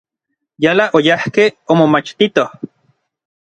Yala oyajkej omomachtitoj.